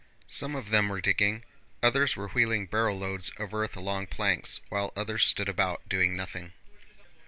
Some of them were digging, others were wheeling barrowloads of earth along planks, while others stood about doing nothing.